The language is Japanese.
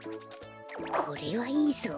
これはいいぞ。